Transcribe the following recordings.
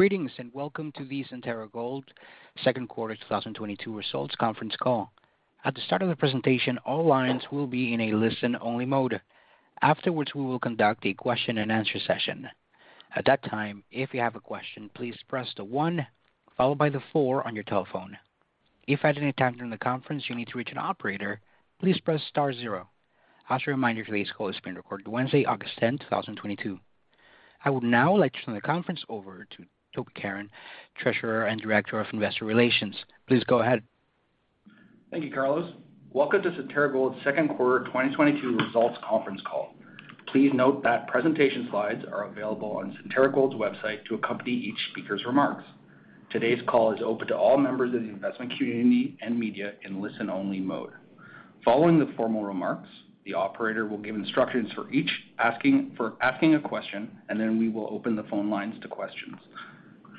Greetings, and welcome to the Centerra Gold Q2 2022 results conference call. At the start of the presentation, all lines will be in a listen-only mode. Afterwards, we will conduct a question-and-answer session. At that time, if you have a question, please press the one followed by the four on your telephone. If at any time during the conference you need to reach an operator, please press star zero. As a reminder, today's call is being recorded Wednesday, August 10, 2022. I would now like to turn the conference over to Toby Caron, Treasurer and Director of Investor Relations. Please go ahead. Thank you, Carlos. Welcome to Centerra Gold's Q2 2022 results conference call. Please note that presentation slides are available on Centerra Gold's website to accompany each speaker's remarks. Today's call is open to all members of the investment community and media in listen-only mode. Following the formal remarks, the operator will give instructions for asking a question, and then we will open the phone lines to questions.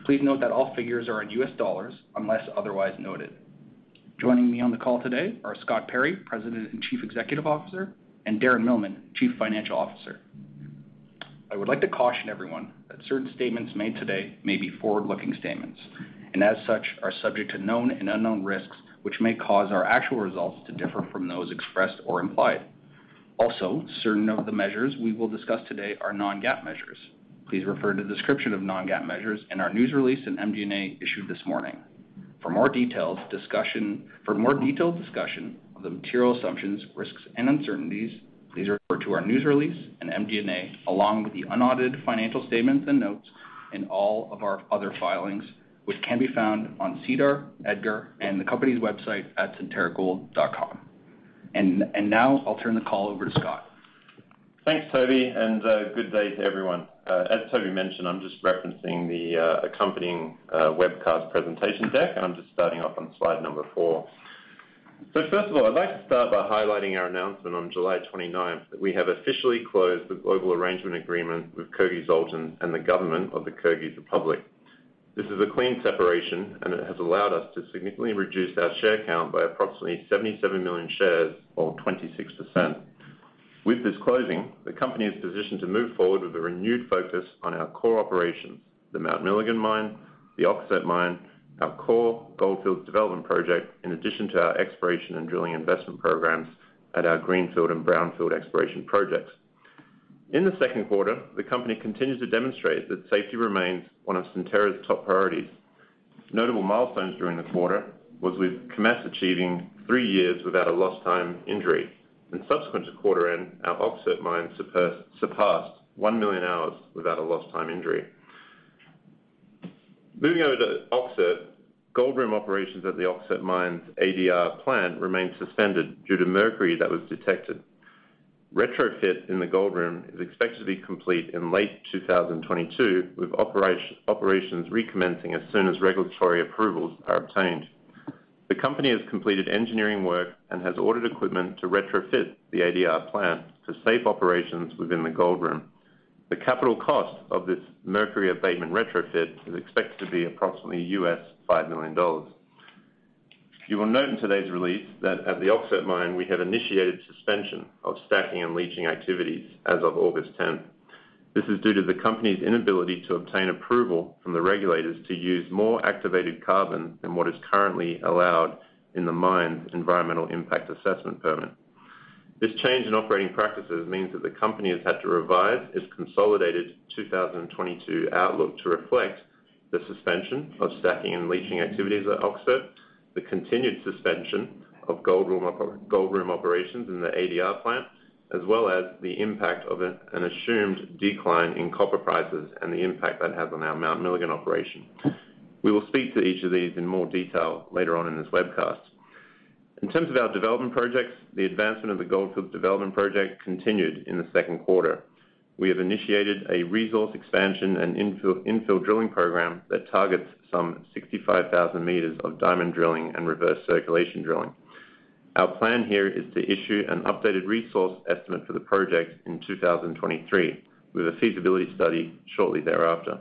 Please note that all figures are in U.S. dollars unless otherwise noted. Joining me on the call today are Scott Perry, President and Chief Executive Officer, and Darren Millman, Chief Financial Officer. I would like to caution everyone that certain statements made today may be forward-looking statements, and as such, are subject to known and unknown risks, which may cause our actual results to differ from those expressed or implied. Also, certain of the measures we will discuss today are non-GAAP measures. Please refer to the description of non-GAAP measures in our news release and MD&A issued this morning. For more detailed discussion of the material assumptions, risks, and uncertainties, please refer to our news release and MD&A, along with the unaudited financial statements and notes and all of our other filings, which can be found on SEDAR, EDGAR, and the company's website at centerragold.com. Now I'll turn the call over to Scott. Thanks, Toby, and good day to everyone. As Toby mentioned, I'm just referencing the accompanying webcast presentation deck, and I'm just starting off on slide number four. First of all, I'd like to start by highlighting our announcement on July 29th that we have officially closed the global arrangement agreement with Kyrgyzaltyn and the government of the Kyrgyz Republic. This is a clean separation, and it has allowed us to significantly reduce our share count by approximately 77 million shares, or 26%. With this closing, the company is positioned to move forward with a renewed focus on our core operations, the Mount Milligan mine, the Öksüt mine, our core Goldfield Project, in addition to our exploration and drilling investment programs at our greenfield and brownfield exploration projects. In the Q2, the company continues to demonstrate that safety remains one of Centerra's top priorities. Notable milestones during the quarter was with Kemess achieving three years without a lost time injury. Subsequent to quarter end, our Öksüt mine surpassed 1 million hours without a lost time injury. Moving over to Öksüt, gold room operations at the Öksüt mine's ADR plant remain suspended due to mercury that was detected. Retrofit in the gold room is expected to be complete in late 2022, with operations recommencing as soon as regulatory approvals are obtained. The company has completed engineering work and has ordered equipment to retrofit the ADR plant for safe operations within the gold room. The capital cost of this mercury abatement retrofit is expected to be approximately $5 million. You will note in today's release that at the Öksüt mine we have initiated suspension of stacking and leaching activities as of August 10th. This is due to the company's inability to obtain approval from the regulators to use more activated carbon than what is currently allowed in the mine's environmental impact assessment permit. This change in operating practices means that the company has had to revise its consolidated 2022 outlook to reflect the suspension of stacking and leaching activities at Öksüt, the continued suspension of gold room operations in the ADR plant, as well as the impact of an assumed decline in copper prices and the impact that has on our Mount Milligan operation. We will speak to each of these in more detail later on in this webcast. In terms of our development projects, the advancement of the Goldfield Project continued in the Q2. We have initiated a resource expansion and infill drilling program that targets some 65,000 meters of diamond drilling and reverse circulation drilling. Our plan here is to issue an updated resource estimate for the project in 2023, with a feasibility study shortly thereafter.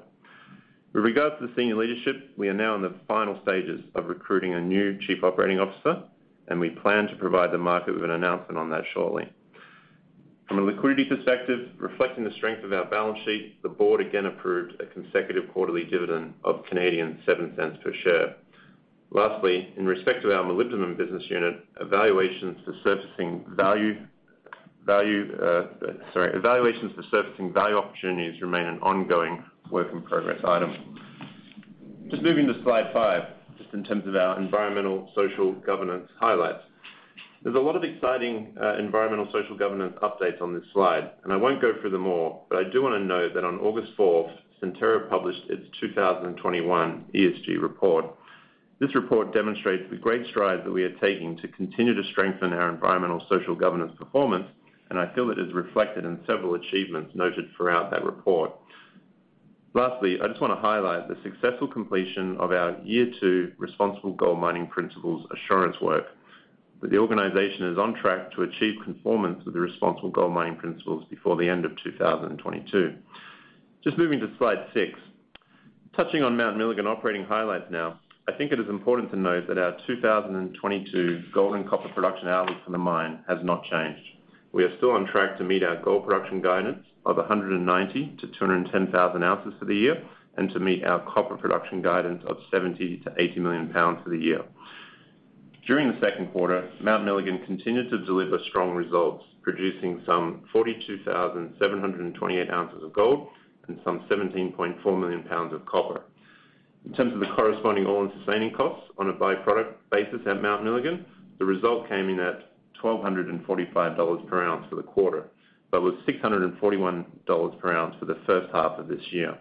With regards to the senior leadership, we are now in the final stages of recruiting a new chief operating officer, and we plan to provide the market with an announcement on that shortly. From a liquidity perspective, reflecting the strength of our balance sheet, the board again approved a consecutive quarterly dividend of 0.07 per share. Lastly, in respect to our Molybdenum Business Unit, evaluations for surfacing value opportunities remain an ongoing work in progress item. Just moving to slide five, just in terms of our environmental, social, governance highlights. There's a lot of exciting environmental, social, governance updates on this slide, and I won't go through them all, but I do wanna note that on August 4, Centerra published its 2021 ESG report. This report demonstrates the great strides that we are taking to continue to strengthen our environmental, social, governance performance, and I feel it is reflected in several achievements noted throughout that report. Lastly, I just wanna highlight the successful completion of our year two Responsible Gold Mining Principles assurance work. The organization is on track to achieve conformance with the Responsible Gold Mining Principles before the end of 2022. Just moving to slide six. Touching on Mount Milligan operating highlights now, I think it is important to note that our 2022 gold and copper production guidance for the mine has not changed. We are still on track to meet our gold production guidance of 190-210 thousand ounces for the year, and to meet our copper production guidance of 70-80 million pounds for the year. During the Q2, Mount Milligan continued to deliver strong results, producing some 42,728 ounces of gold and some 17.4 million pounds of copper. In terms of the corresponding all-in sustaining costs on a by-product basis at Mount Milligan, the result came in at $1,245 per ounce for the quarter, but was $641 per ounce for the H1 of this year.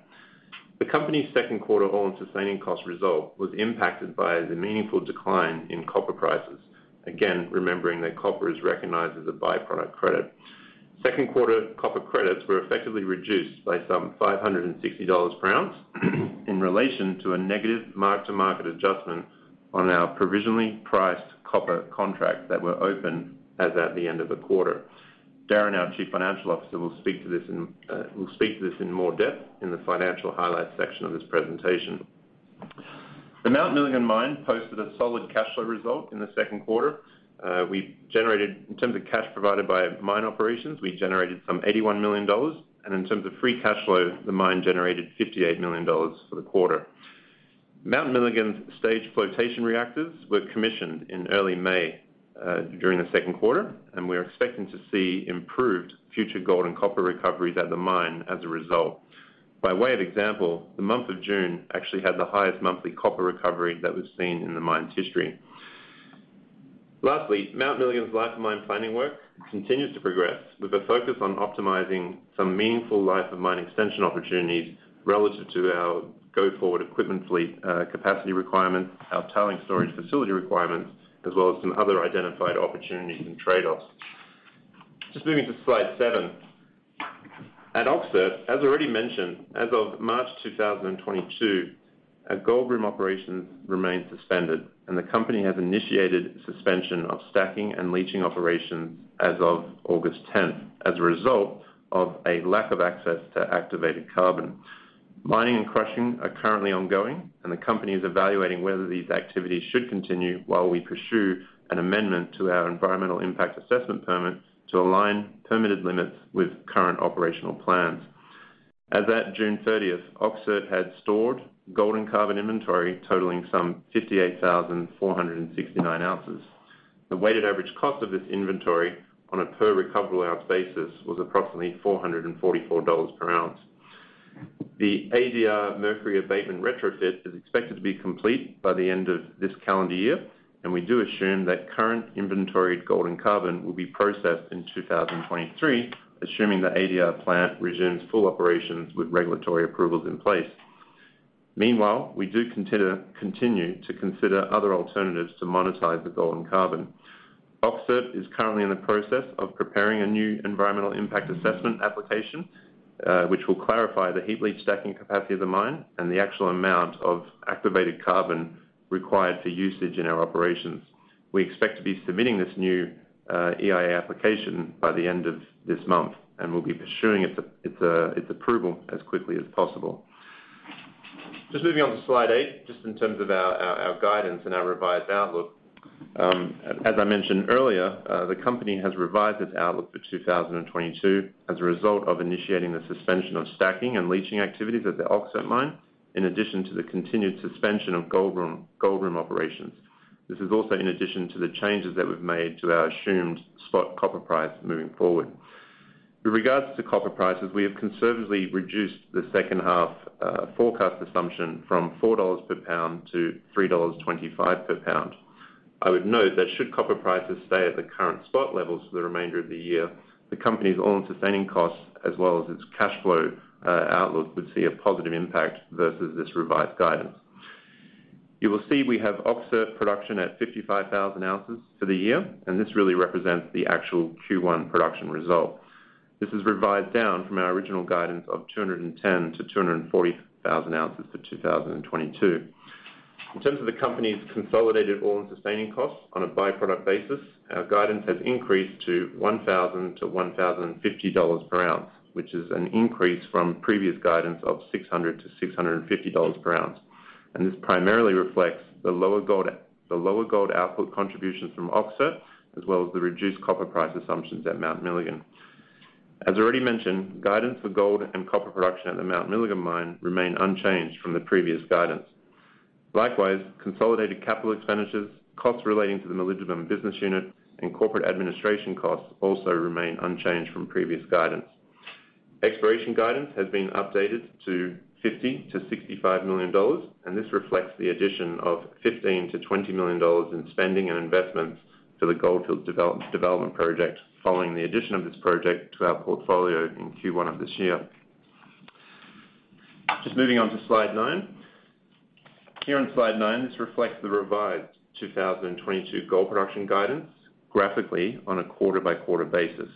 The company's Q2 all-in sustaining cost result was impacted by the meaningful decline in copper prices. Again, remembering that copper is recognized as a by-product credit. Q2 copper credits were effectively reduced by some $560 per ounce in relation to a negative mark-to-market adjustment on our provisionally priced copper contracts that were open as at the end of the quarter. Darren, our Chief Financial Officer, will speak to this in more depth in the financial highlights section of this presentation. The Mount Milligan mine posted a solid cash flow result in the Q2. We generated in terms of cash provided by mine operations, we generated some $81 million, and in terms of free cash flow, the mine generated $58 million for the quarter. Mount Milligan's staged flotation reactors were commissioned in early May, during the Q2, and we're expecting to see improved future gold and copper recoveries at the mine as a result. By way of example, the month of June actually had the highest monthly copper recovery that was seen in the mine's history. Lastly, Mount Milligan's life of mine planning work continues to progress with a focus on optimizing some meaningful life of mine extension opportunities relative to our go-forward equipment fleet, capacity requirements, our tailing storage facility requirements, as well as some other identified opportunities and trade-offs. Just moving to slide seven. At Öksüt, as already mentioned, as of March 2022, our gold room operations remain suspended, and the company has initiated suspension of stacking and leaching operations as of August 10th as a result of a lack of access to activated carbon. Mining and crushing are currently ongoing, and the company is evaluating whether these activities should continue while we pursue an amendment to our environmental impact assessment permit to align permitted limits with current operational plans. As at June 30th, Öksüt had stored gold and carbon inventory totaling some 58,469 ounces. The weighted average cost of this inventory on a per recoverable ounce basis was approximately $444 per ounce. The ADR mercury abatement retrofit is expected to be complete by the end of this calendar year, and we do assume that current inventoried gold and carbon will be processed in 2023, assuming the ADR plant resumes full operations with regulatory approvals in place. Meanwhile, we continue to consider other alternatives to monetize the gold and carbon. Öksüt is currently in the process of preparing a new environmental impact assessment application, which will clarify the heap leach stacking capacity of the mine and the actual amount of activated carbon required for usage in our operations. We expect to be submitting this new EIA application by the end of this month, and we'll be pursuing its approval as quickly as possible. Just moving on to slide eight, just in terms of our guidance and our revised outlook. As I mentioned earlier, the company has revised its outlook for 2022 as a result of initiating the suspension of stacking and leaching activities at the Öksüt mine, in addition to the continued suspension of gold room operations. This is also in addition to the changes that we've made to our assumed spot copper price moving forward. With regards to copper prices, we have conservatively reduced the H2 forecast assumption from $4 per pound-$3.25 per pound. I would note that should copper prices stay at the current spot levels for the remainder of the year, the company's all-in sustaining costs, as well as its cash flow outlook, would see a positive impact versus this revised guidance. You will see we have Öksüt production at 55,000 ounces for the year, and this really represents the actual Q1 production result. This is revised down from our original guidance of 210,000 ounces-240,000 ounces for 2022. In terms of the company's consolidated all-in sustaining costs on a by-product basis, our guidance has increased to $1,000-$1,050 per ounce, which is an increase from previous guidance of $600-$650 per ounce. This primarily reflects the lower gold output contributions from Öksüt, as well as the reduced copper price assumptions at Mount Milligan. As already mentioned, guidance for gold and copper production at the Mount Milligan mine remain unchanged from the previous guidance. Likewise, consolidated capital expenditures, costs relating to the Milligan business unit, and corporate administration costs also remain unchanged from previous guidance. Exploration guidance has been updated to $50-$65 million, and this reflects the addition of $15-$20 million in spending and investments for the Goldfield development project following the addition of this project to our portfolio in Q1 of this year. Just moving on to slide nine. Here on slide nine, this reflects the revised 2022 gold production guidance graphically on a quarter-by-quarter basis.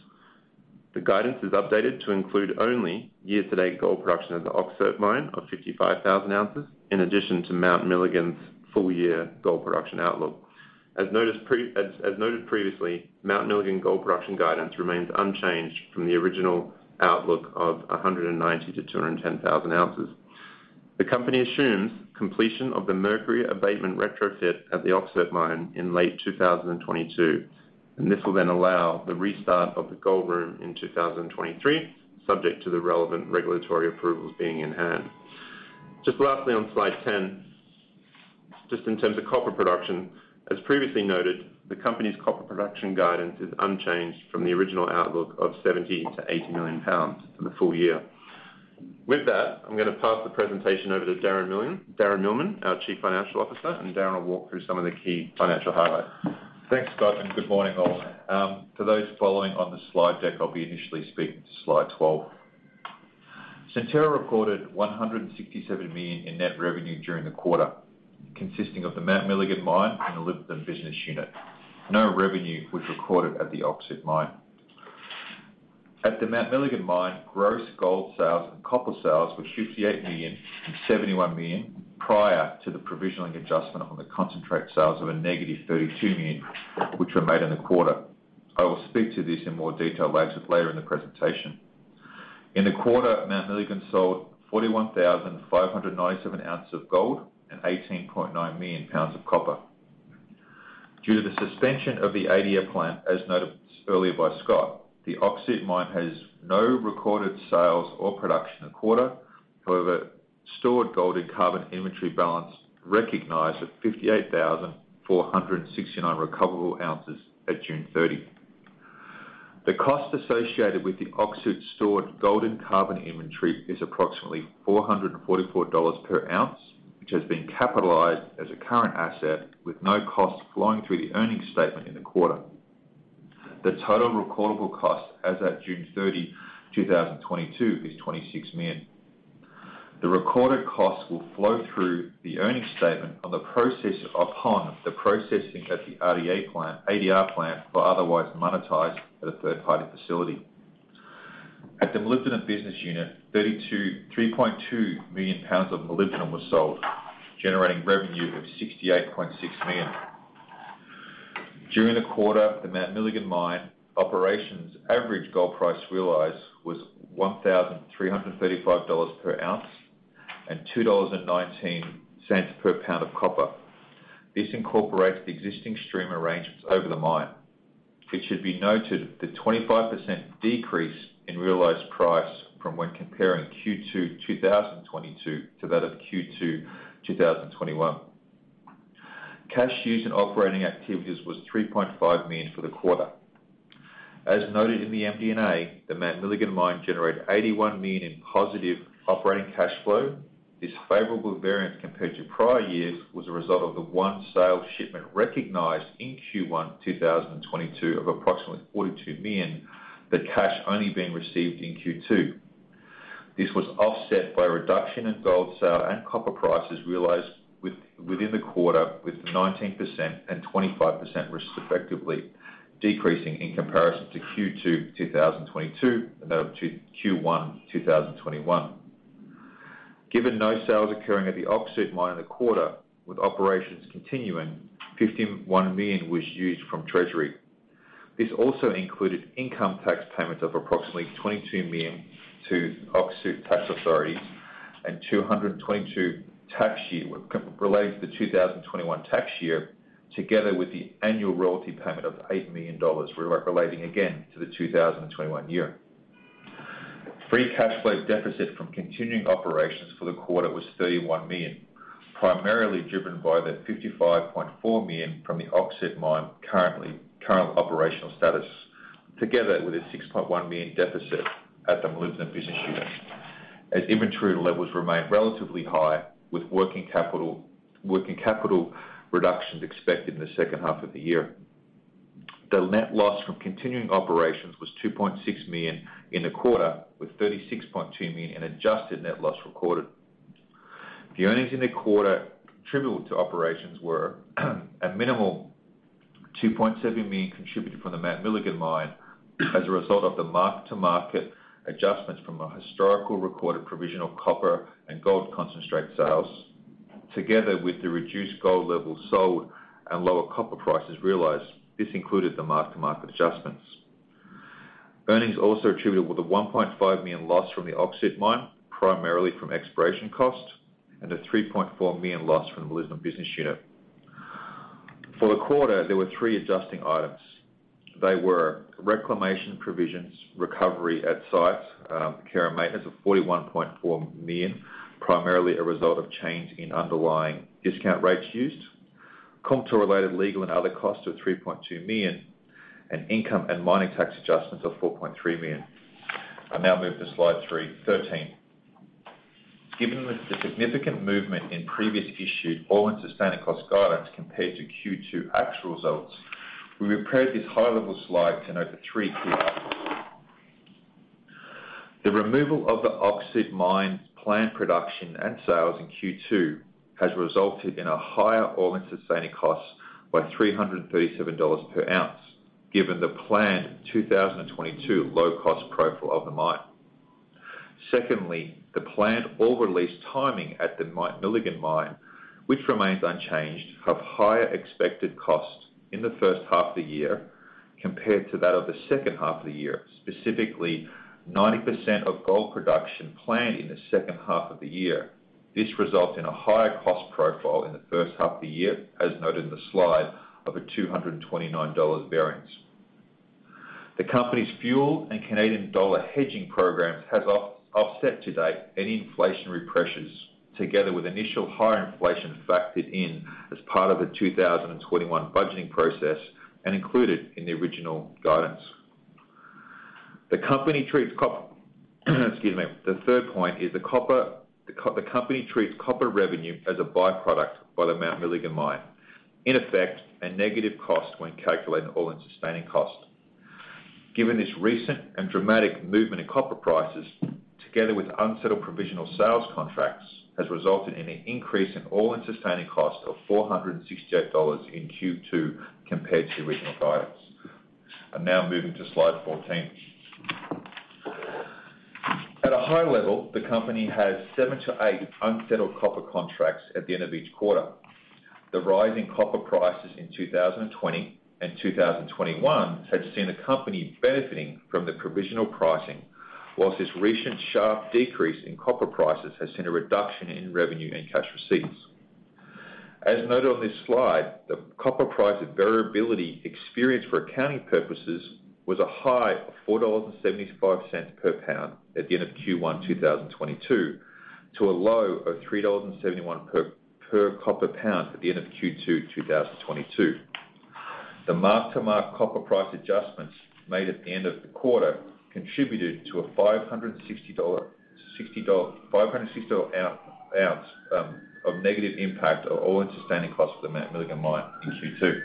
The guidance is updated to include only year-to-date gold production at the Öksüt Mine of 55,000 ounces in addition to Mount Milligan's full-year gold production outlook. As noted previously, Mount Milligan gold production guidance remains unchanged from the original outlook of 190-210 thousand ounces. The company assumes completion of the mercury abatement retrofit at the Öksüt Mine in late 2022, and this will then allow the restart of the gold room in 2023, subject to the relevant regulatory approvals being in hand. Just lastly on slide 10, just in terms of copper production, as previously noted, the company's copper production guidance is unchanged from the original outlook of 70-80 million pounds for the full year. With that, I'm gonna pass the presentation over to Darren Millman, our Chief Financial Officer, and Darren will walk through some of the key financial highlights. Thanks, Scott, and good morning, all. For those following on the slide deck, I'll be initially speaking to slide 12. Centerra recorded $167 million in net revenue during the quarter, consisting of the Mount Milligan mine and the molybdenum business unit. No revenue was recorded at the Öksüt mine. At the Mount Milligan mine, gross gold sales and copper sales were $58 million and $71 million prior to the provisioning adjustment on the concentrate sales of a negative $32 million, which were made in the quarter. I will speak to this in more detail later in the presentation. In the quarter, Mount Milligan sold 41,597 ounces of gold and 18.9 million pounds of copper. Due to the suspension of the ADR plant, as noted earlier by Scott, the Öksüt Mine has no recorded sales or production in the quarter. However, stored gold and carbon inventory balance recognized at 58,469 recoverable ounces at June 30. The cost associated with the Öksüt stored gold and carbon inventory is approximately $444 per ounce, which has been capitalized as a current asset with no cost flowing through the earnings statement in the quarter. The total recoverable cost as at June 30, 2022 is $26 million. The recoverable cost will flow through the earnings statement upon the processing at the ADR plant, but otherwise monetized at a third-party facility. At the Molybdenum Business Unit, 3.2 million pounds of molybdenum was sold, generating revenue of $68.6 million. During the quarter, the Mount Milligan mine operations average gold price realized was $1,335 per ounce and $2.19 per pound of copper. This incorporates the existing stream arrangements over the mine. It should be noted the 25% decrease in realized price from when comparing Q2 2022 to that of Q2 2021. Cash used in operating activities was $3.5 million for the quarter. As noted in the MD&A, the Mount Milligan mine generated $81 million in positive operating cash flow. This favorable variance compared to prior years was a result of the one sale shipment recognized in Q1 2022 of approximately $42 million, the cash only being received in Q2. This was offset by a reduction in gold sale and copper prices realized within the quarter, with 19% and 25% respectively, decreasing in comparison to Q2 2022, and then to Q1 2021. Given no sales occurring at the Öksüt mine in the quarter with operations continuing, $51 million was used from treasury. This also included income tax payments of approximately $22 million to Öksüt tax authorities and 2022 tax year relating to the 2021 tax year, together with the annual royalty payment of $8 million relating again to the 2021 year. Free cash flow deficit from continuing operations for the quarter was $31 million, primarily driven by the $55.4 million from the Öksüt mine current operational status, together with a $6.1 million deficit at the molybdenum business unit as inventory levels remain relatively high with working capital reductions expected in the H2 of the year. The net loss from continuing operations was $2.6 million in the quarter, with $36.2 million in adjusted net loss recorded. The earnings in the quarter attributable to operations were a minimal $2.7 million contributed from the Mount Milligan mine as a result of the mark-to-market adjustments from a historical recorded provision of copper and gold concentrate sales, together with the reduced gold levels sold and lower copper prices realized. This included the mark-to-market adjustments. Earnings also attributed with a $1.5 million loss from the Öksüt Mine, primarily from exploration costs, and a $3.4 million loss from the molybdenum business unit. For the quarter, there were three adjusting items. They were reclamation provisions, recovery at site, care and maintenance of $41.4 million, primarily a result of change in underlying discount rates used. Kumtor-related legal and other costs of $3.2 million, and income and mining tax adjustments of $4.3 million. I now move to slide thirteen. Given the significant movement in previous issued all-in sustaining cost guidance compared to Q2 actual results, we prepared this high-level slide to note the three key items. The removal of the Öksüt mine's plant production and sales in Q2 has resulted in a higher all-in sustaining cost by $337 per ounce, given the planned 2022 low-cost profile of the mine. Secondly, the planned ore release timing at the Mount Milligan mine, which remains unchanged, have higher expected costs in the H1 of the year. Compared to that of the H2 of the year, specifically 90% of gold production planned in the H2 of the year. This results in a higher cost profile in the H1 of the year, as noted in the slide, of a $229 variance. The company's fuel and Canadian dollar hedging programs has offset to date any inflationary pressures, together with initial higher inflation factored in as part of the 2021 budgeting process and included in the original guidance. The third point is the copper, the company treats copper revenue as a by-product at the Mount Milligan mine. In effect, a negative cost when calculating all-in sustaining cost. Given this recent and dramatic movement in copper prices, together with unsettled provisional sales contracts, has resulted in an increase in all-in sustaining cost of $468 in Q2 compared to original guidance. I'm now moving to slide 14. At a high level, the company has seven-eight unsettled copper contracts at the end of each quarter. The rise in copper prices in 2020 and 2021 had seen the company benefiting from the provisional pricing, while this recent sharp decrease in copper prices has seen a reduction in revenue and cash receipts. As noted on this slide, the copper price variability experienced for accounting purposes was a high of $4.75 per pound at the end of Q1 2022, to a low of $3.71 per copper pound at the end of Q2 2022. The mark-to-market copper price adjustments made at the end of the quarter contributed to a $560 ounce of negative impact of all-in sustaining costs of the Mount Milligan mine in Q2.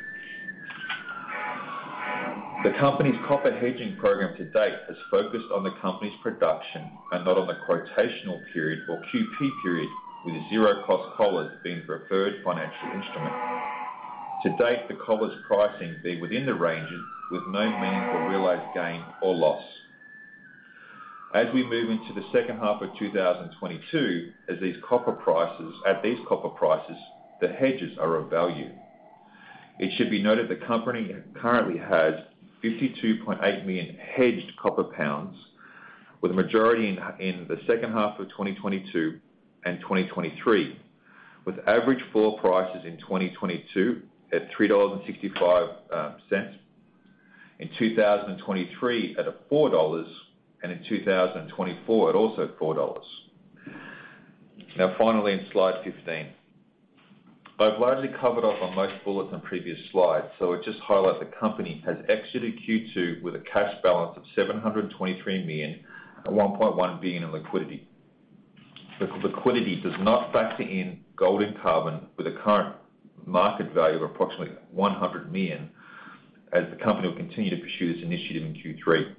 The company's copper hedging program to date has focused on the company's production and not on the quotational period or QP period, with zero cost collars being the preferred financial instrument. To date, the collars pricing being within the ranges with no meaningful realized gain or loss. As we move into the H2 of 2022, at these copper prices, the hedges are of value. It should be noted the company currently has 52.8 million hedged copper pounds, with the majority in the H2 of 2022 and 2023. With average floor prices in 2022 at $3.65, in 2023 at $4, and in 2024 at also $4. Now finally, in slide 15. I've largely covered off on most bullets on previous slides, so I'll just highlight the company has exited Q2 with a cash balance of $723 million and $1.1 billion in liquidity. The liquidity does not factor in gold and carbon with a current market value of approximately $100 million, as the company will continue to pursue this initiative in Q3.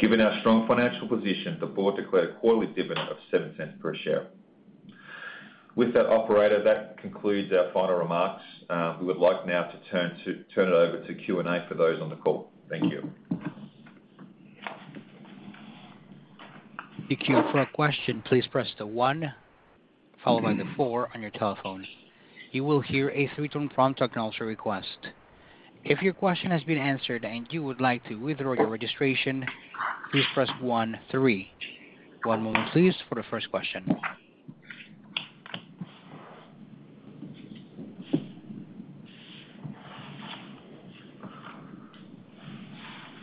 Given our strong financial position, the board declared a quarterly dividend of $0.07 per share. With that, operator, that concludes our final remarks. We would like now to turn it over to Q&A for those on the call. Thank you. Thank you. For a question, please press the one followed by the four on your telephone. You will hear a three-tone prompt after you place your request. If your question has been answered and you would like to withdraw your registration, please press one, three. One moment please for the first question.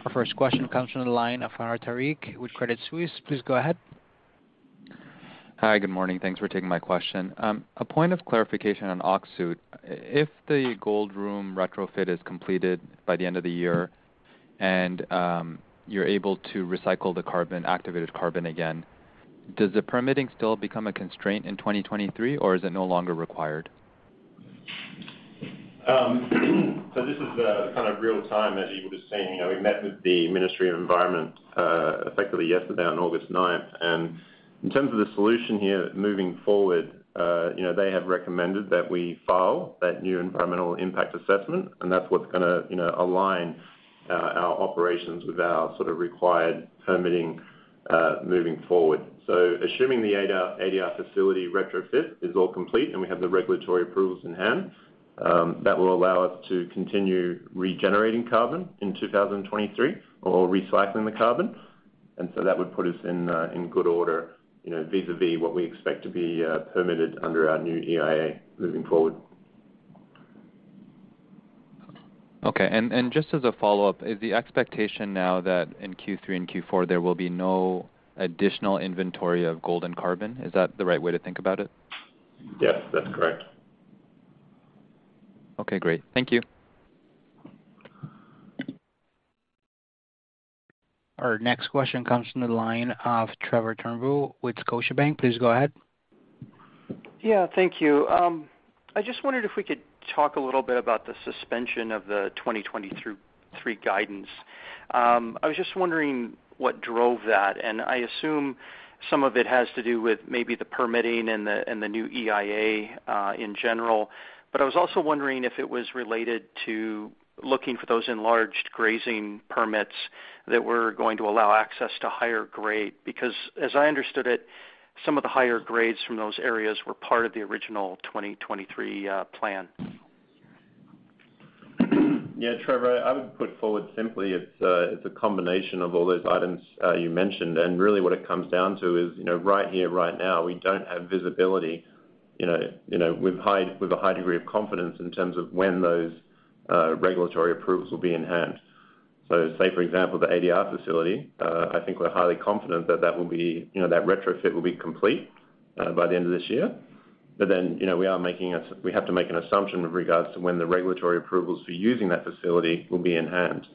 Our first question comes from the line of Mike Parkin with National Bank Financial. Please go ahead. Hi, good morning. Thanks for taking my question. A point of clarification on Öksüt. If the gold room retrofit is completed by the end of the year and you're able to recycle the carbon, activated carbon again, does the permitting still become a constraint in 2023, or is it no longer required? This is the kind of real time, as you would have seen. You know, we met with the Ministry of Environment, effectively yesterday on August ninth. In terms of the solution here moving forward, you know, they have recommended that we file that new environmental impact assessment, and that's what's gonna, you know, align our operations with our sort of required permitting, moving forward. Assuming the ADR facility retrofit is all complete and we have the regulatory approvals in hand, that will allow us to continue regenerating carbon in 2023 or recycling the carbon. That would put us in good order, you know, vis-à-vis what we expect to be permitted under our new EIA moving forward. Okay. Just as a follow-up, is the expectation now that in Q3 and Q4 there will be no additional inventory of gold and carbon? Is that the right way to think about it? Yes, that's correct. Okay, great. Thank you. Our next question comes from the line of Trevor Turnbull with Scotiabank. Please go ahead. Yeah, thank you. I just wondered if we could talk a little bit about the suspension of the 2023 guidance. I was just wondering what drove that. I assume some of it has to do with maybe the permitting and the new EIA in general. I was also wondering if it was related to looking for those enlarged grazing permits that were going to allow access to higher grade. Because as I understood it, some of the higher grades from those areas were part of the original 2023 plan. Yeah, Trevor, I would put forward simply it's a combination of all those items you mentioned. Really what it comes down to is, you know, right here, right now, we don't have visibility, you know, with a high degree of confidence in terms of when those regulatory approvals will be in hand. Say, for example, the ADR facility, I think we're highly confident that that will be, you know, that retrofit will be complete by the end of this year. But then, you know, we have to make an assumption with regards to when the regulatory approvals for using that facility will be in hand.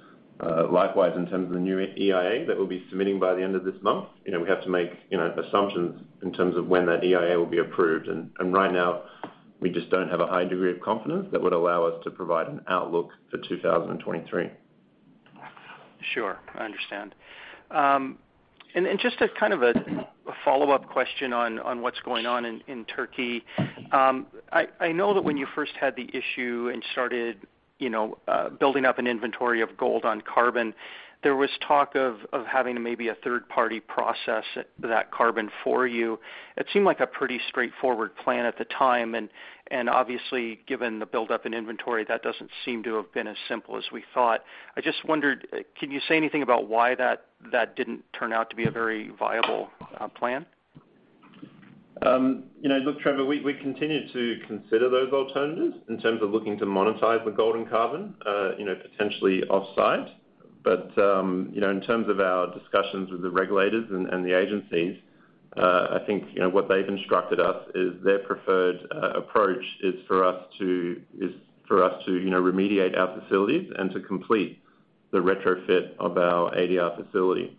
Likewise, in terms of the new EIA that we'll be submitting by the end of this month, you know, we have to make, you know, assumptions in terms of when that EIA will be approved. Right now, we just don't have a high degree of confidence that would allow us to provide an outlook for 2023. Sure. I understand. Just a kind of follow-up question on what's going on in Turkey. I know that when you first had the issue and started you know building up an inventory of gold on carbon, there was talk of having maybe a third party process that carbon for you. It seemed like a pretty straightforward plan at the time. Obviously, given the buildup in inventory, that doesn't seem to have been as simple as we thought. I just wondered, can you say anything about why that didn't turn out to be a very viable plan? You know, look, Trevor, we continue to consider those alternatives in terms of looking to monetize the gold and carbon, you know, potentially off-site. You know, in terms of our discussions with the regulators and the agencies, I think, you know, what they've instructed us is their preferred approach is for us to remediate our facilities and to complete the retrofit of our ADR facility.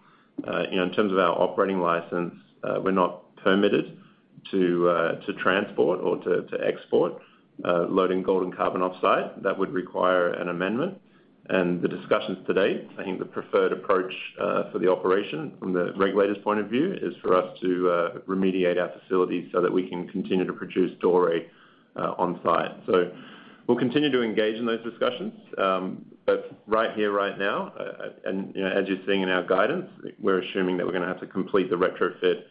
You know, in terms of our operating license, we're not permitted to transport or to export loaded gold and carbon off-site. That would require an amendment. The discussions to date, I think the preferred approach for the operation from the regulators' point of view is for us to remediate our facilities so that we can continue to produce doré on-site. We'll continue to engage in those discussions. Right here, right now, and, you know, as you're seeing in our guidance, we're assuming that we're gonna have to complete the retrofit,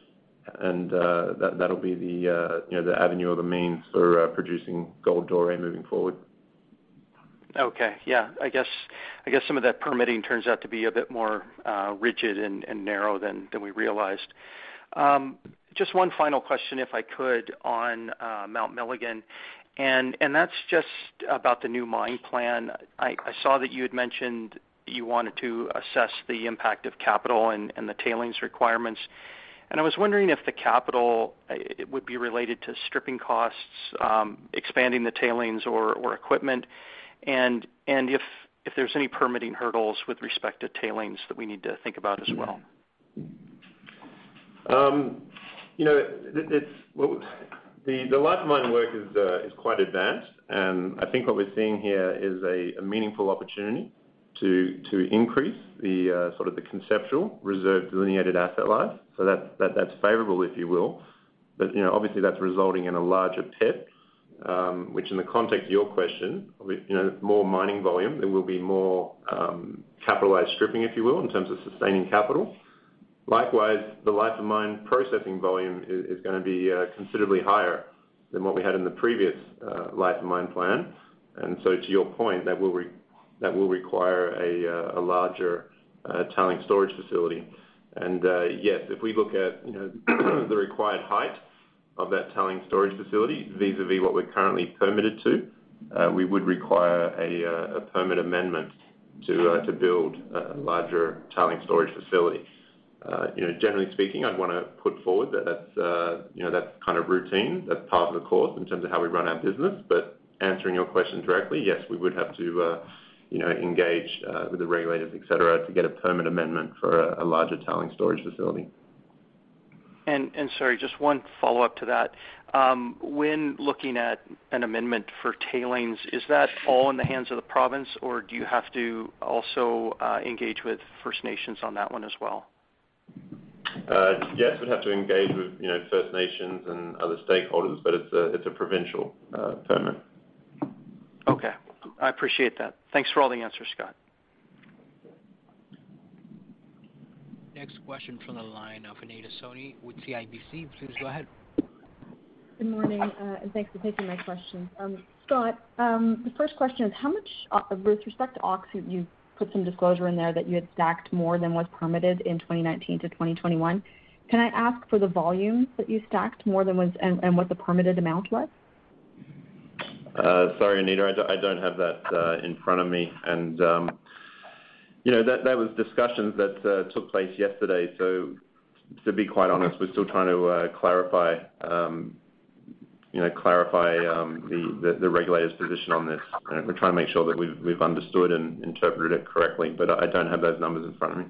and that'll be the, you know, the avenue or the means for producing gold doré moving forward. Okay. Yeah. I guess some of that permitting turns out to be a bit more rigid and narrow than we realized. Just one final question, if I could, on Mount Milligan, and that's just about the new mine plan. I saw that you had mentioned you wanted to assess the impact of capital and the tailings requirements. I was wondering if the capital it would be related to stripping costs, expanding the tailings or equipment, and if there's any permitting hurdles with respect to tailings that we need to think about as well. Well, the life of mine work is quite advanced, and I think what we're seeing here is a meaningful opportunity to increase the sort of the conceptual reserve delineated asset life. That's favorable, if you will. You know, obviously, that's resulting in a larger pit, which in the context of your question, with you know, more mining volume, there will be more capitalized stripping, if you will, in terms of sustaining capital. Likewise, the life of mine processing volume is gonna be considerably higher than what we had in the previous life of mine plan. To your point, that will require a larger tailings storage facility. Yes, if we look at, you know, the required height of that tailings storage facility, vis-à-vis what we're currently permitted to, we would require a permit amendment to build a larger tailings storage facility. You know, generally speaking, I'd wanna put forward that that's, you know, that's kind of routine. That's par for the course in terms of how we run our business. Answering your question directly, yes, we would have to, you know, engage with the regulators, et cetera, to get a permit amendment for a larger tailings storage facility. Sorry, just one follow-up to that. When looking at an amendment for tailings, is that all in the hands of the province, or do you have to also engage with First Nations on that one as well? Yes, we'd have to engage with, you know, First Nations and other stakeholders, but it's a provincial permit. Okay. I appreciate that. Thanks for all the answers, Scott. Next question from the line of Anita Soni with CIBC. Please go ahead. Good morning, thanks for taking my question. Scott, the first question is how much with respect to Öksüt you put some disclosure in there that you had stacked more than was permitted in 2019-2021. Can I ask for the volumes that you stacked more than was permitted and what the permitted amount was? Sorry, Anita, I don't have that in front of me. You know, that was discussions that took place yesterday. To be quite honest, we're still trying to clarify, you know, the regulator's position on this. We're trying to make sure that we've understood and interpreted it correctly, but I don't have those numbers in front of me.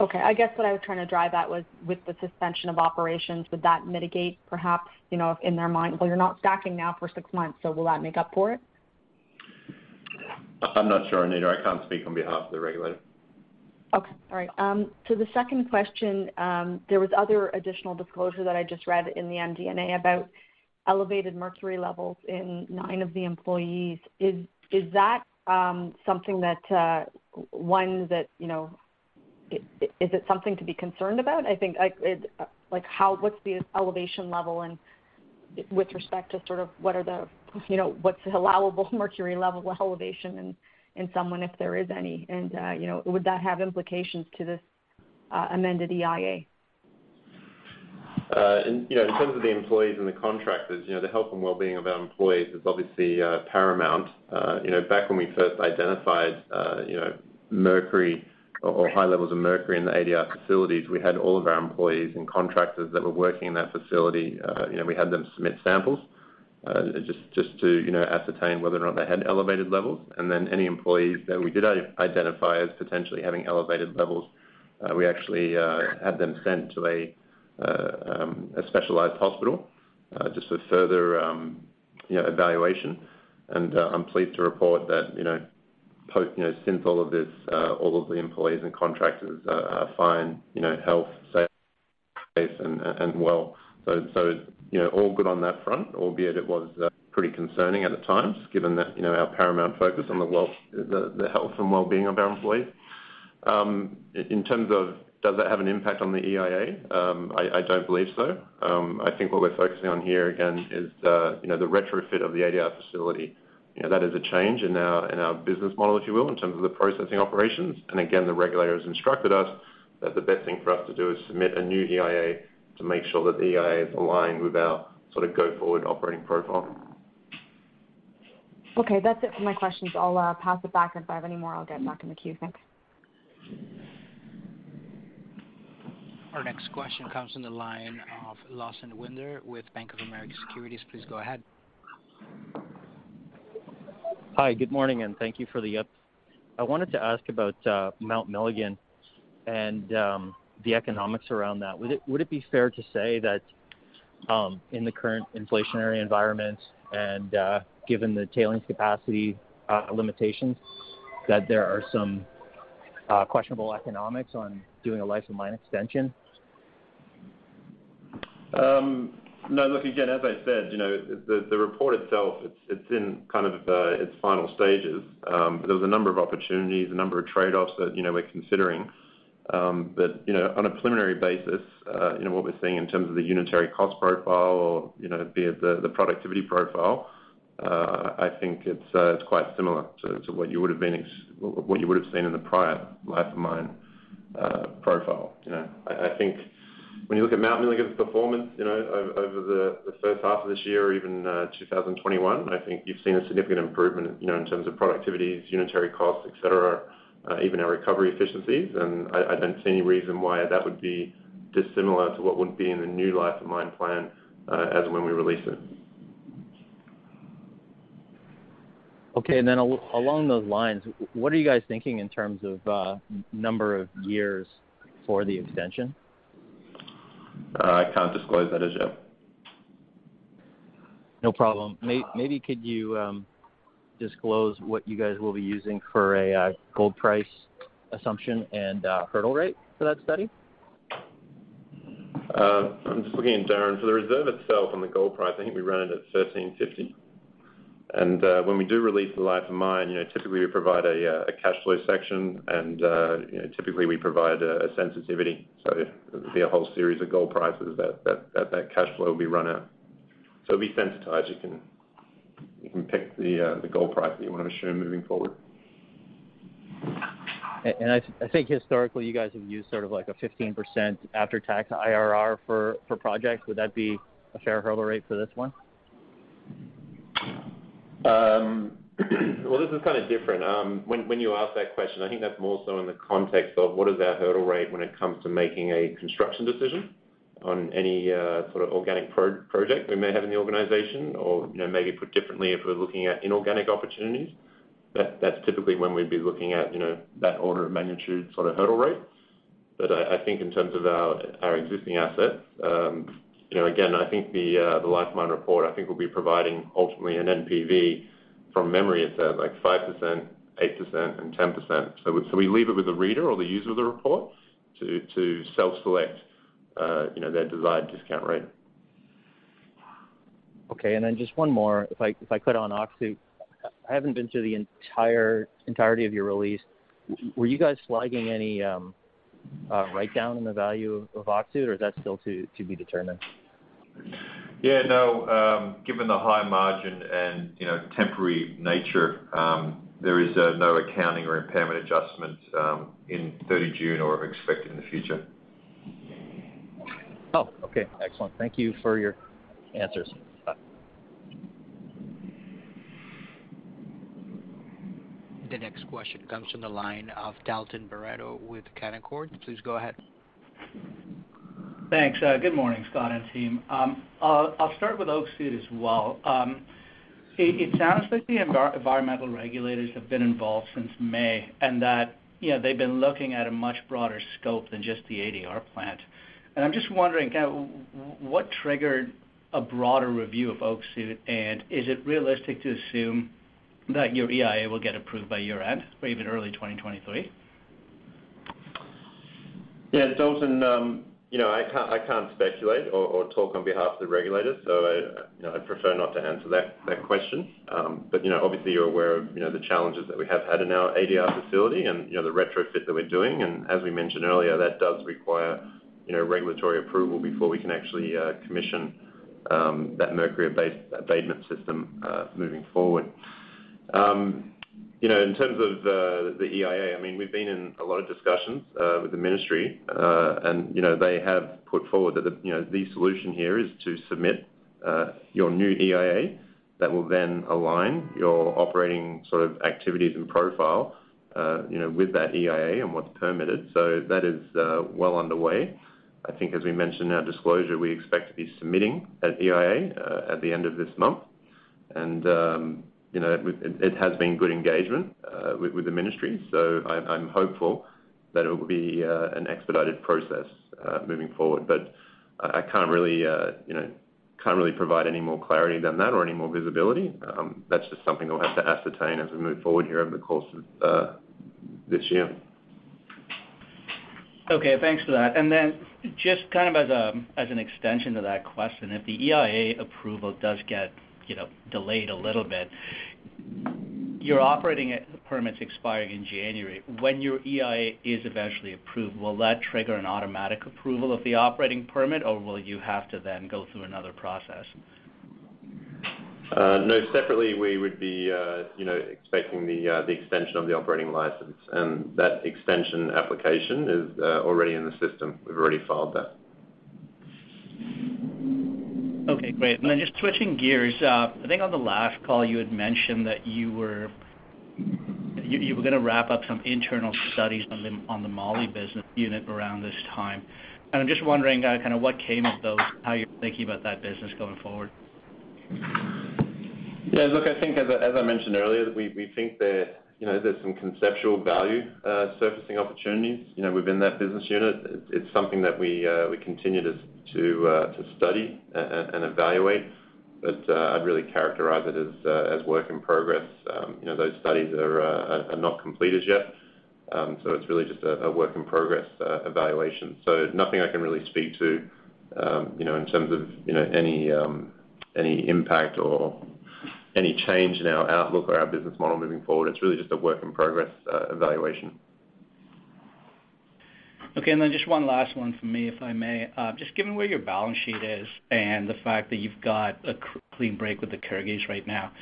Okay. I guess what I was trying to drive at was with the suspension of operations, would that mitigate perhaps, you know, in their mind? Well, you're not stacking now for six months, so will that make up for it? I'm not sure, Anita. I can't speak on behalf of the regulator. Okay. All right. The second question, there was other additional disclosure that I just read in the MD&A about. Elevated mercury levels in nine of the employees. Is that something to be concerned about? I think, like, how, what's the elevation level and with respect to sort of what are the, you know, what's allowable mercury level elevation in someone, if there is any, and you know, would that have implications to this amended EIA? In terms of the employees and the contractors, you know, the health and well-being of our employees is obviously paramount. You know, back when we first identified mercury or high levels of mercury in the ADR facilities, we had all of our employees and contractors that were working in that facility, you know, we had them submit samples, just to ascertain whether or not they had elevated levels. Then any employees that we did identify as potentially having elevated levels, we actually had them sent to a specialized hospital, just for further evaluation. I'm pleased to report that, you know, since all of this, all of the employees and contractors are fine, you know, healthy, safe, and well. All good on that front, albeit it was pretty concerning at the time, given that our paramount focus on the health and wellbeing of our employees. In terms of does that have an impact on the EIA, I don't believe so. I think what we're focusing on here, again, is the retrofit of the ADR facility. That is a change in our business model, if you will, in terms of the processing operations. Again, the regulator has instructed us that the best thing for us to do is submit a new EIA to make sure that the EIA is aligned with our sort of go forward operating profile. Okay. That's it for my questions. I'll pass it back, and if I have any more, I'll get back in the queue. Thanks. Our next question comes from the line of Lawson Winder with Bank of America Securities. Please go ahead. Hi, good morning, and thank you for the update. I wanted to ask about Mount Milligan and the economics around that. Would it be fair to say that in the current inflationary environment and given the tailings capacity limitations, that there are some questionable economics on doing a life of mine extension? No. Look, again, as I said, you know, the report itself, it's in kind of its final stages. There was a number of opportunities, a number of trade-offs that, you know, we're considering. On a preliminary basis, you know, what we're seeing in terms of the unit cost profile or, you know, be it the productivity profile, I think it's quite similar to what you would have seen in the prior life of mine profile. You know, I think when you look at Mount Milligan's performance, you know, over the H1 of this year or even 2021, I think you've seen a significant improvement, you know, in terms of productivity, unit costs, et cetera, even our recovery efficiencies. I don't see any reason why that would be dissimilar to what would be in the new life of mine plan, as when we release it. Okay. Along those lines, what are you guys thinking in terms of number of years for the extension? I can't disclose that as yet. No problem. Maybe could you disclose what you guys will be using for a gold price assumption and hurdle rate for that study? I'm just looking at Darren. For the reserve itself and the gold price, I think we ran it at $1,350. When we do release the life of mine, you know, typically we provide a cash flow section and, you know, a sensitivity. It'd be a whole series of gold prices that cash flow will be run at. It'll be sensitized. You can pick the gold price that you wanna assume moving forward. I think historically you guys have used sort of like a 15% after-tax IRR for projects. Would that be a fair hurdle rate for this one? Well, this is kind of different. When you ask that question, I think that's more so in the context of what is our hurdle rate when it comes to making a construction decision on any sort of organic project we may have in the organization or, you know, maybe put differently if we're looking at inorganic opportunities. That's typically when we'd be looking at, you know, that order of magnitude sort of hurdle rates. But I think in terms of our existing assets, you know, again, I think the life of mine report, I think we'll be providing ultimately an NPV. From memory, it's at, like, 5%, 8%, and 10%. So we leave it with the reader or the user of the report to self-select, you know, their desired discount rate. Okay. Just one more. If I could on Öksüt. I haven't been through the entire entirety of your release. Were you guys flagging any write-down in the value of Öksüt or is that still to be determined? Yeah, no. Given the high margin and, you know, temporary nature, there is no accounting or impairment adjustment in 30 June or expected in the future. Oh, okay. Excellent. Thank you for your answers. Bye. The next question comes from the line of Dalton Baretto with Canaccord Genuity. Please go ahead. Thanks. Good morning, Scott and team. I'll start with Öksüt as well. It sounds like the environmental regulators have been involved since May, and that, you know, they've been looking at a much broader scope than just the ADR plant. I'm just wondering kind of what triggered a broader review of Öksüt, and is it realistic to assume that your EIA will get approved by year-end or even early 2023? Yeah, Dalton, you know, I can't speculate or talk on behalf of the regulators, so I, you know, I'd prefer not to answer that question. You know, obviously you're aware of the challenges that we have had in our ADR facility and, you know, the retrofit that we're doing. As we mentioned earlier, that does require, you know, regulatory approval before we can actually commission that mercury-based abatement system moving forward. You know, in terms of the EIA, I mean, we've been in a lot of discussions with the Ministry and, you know, they have put forward that the solution here is to submit your new EIA that will then align your operating sort of activities and profile, you know, with that EIA and what's permitted. That is well underway. I think as we mentioned in our disclosure, we expect to be submitting that EIA at the end of this month. It has been good engagement with the ministry. I'm hopeful that it will be an expedited process moving forward. I can't really provide any more clarity than that or any more visibility. That's just something we'll have to ascertain as we move forward here over the course of this year. Okay, thanks for that. Just kind of as an extension to that question, if the EIA approval does get delayed a little bit, your operating permit's expiring in January. When your EIA is eventually approved, will that trigger an automatic approval of the operating permit, or will you have to then go through another process? No. Separately, we would be, you know, expecting the extension of the operating license, and that extension application is already in the system. We've already filed that. Okay, great. Then just switching gears. I think on the last call you had mentioned that you were gonna wrap up some internal studies on the Molybdenum Business Unit around this time. I'm just wondering kind of what came of those, how you're thinking about that business going forward. Yeah. Look, I think as I mentioned earlier, we think that, you know, there's some conceptual value surfacing opportunities, you know, within that business unit. It's something that we continue to study and evaluate, but I'd really characterize it as work in progress. You know, those studies are not completed yet. It's really just a work in progress evaluation. Nothing I can really speak to, you know, in terms of, you know, any impact or any change in our outlook or our business model moving forward. It's really just a work in progress evaluation. Okay. Then just one last one from me, if I may. Just given where your balance sheet is and the fact that you've got a clean break with the Kyrgyz right now,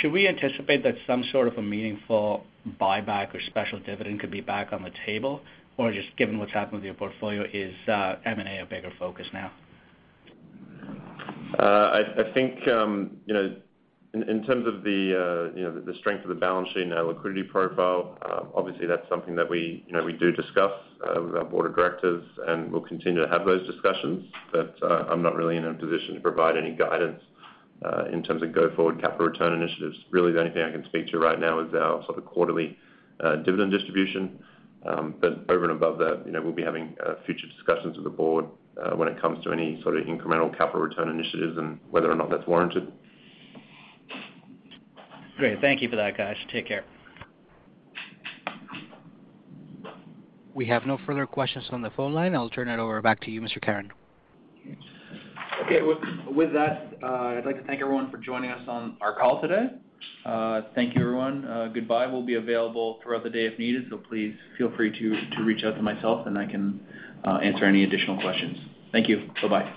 should we anticipate that some sort of a meaningful buyback or special dividend could be back on the table? Just given what's happened with your portfolio, is M&A a bigger focus now? I think, you know, in terms of the strength of the balance sheet and our liquidity profile, obviously that's something that we, you know, we do discuss with our board of directors, and we'll continue to have those discussions. I'm not really in a position to provide any guidance in terms of go forward capital return initiatives. Really, the only thing I can speak to right now is our sort of quarterly dividend distribution. Over and above that, you know, we'll be having future discussions with the board when it comes to any sort of incremental capital return initiatives and whether or not that's warranted. Great. Thank you for that, Scott Perry. Take care. We have no further questions on the phone line. I'll turn it over back to you, Toby Caron. Okay. With that, I'd like to thank everyone for joining us on our call today. Thank you, everyone. Goodbye. We'll be available throughout the day if needed, so please feel free to reach out to myself and I can answer any additional questions. Thank you. Bye-bye.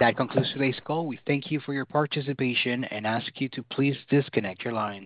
That concludes today's call. We thank you for your participation and ask you to please disconnect your lines.